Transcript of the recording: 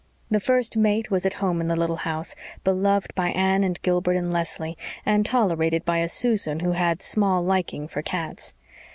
The First Mate was at home in the little house, beloved by Anne and Gilbert and Leslie, and tolerated by a Susan who had small liking for cats.